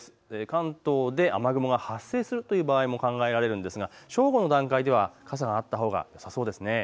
関東で雨雲が発生するという場合も考えられるのですが正午の段階では傘があったほうがよさそうです。